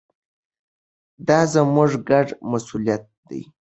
دا زموږ ګډ مسوولیت دی.